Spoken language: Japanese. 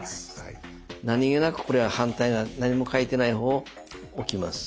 何気なくこれは反対側何も書いてない方を置きます。